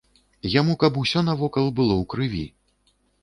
Яму каб усё навокал было ў крыві.